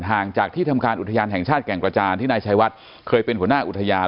ห่างจากที่ทำการอุทยานแห่งชาติแก่งกระจานที่นายชายวัดเคยเป็นหัวหน้าอุทยาน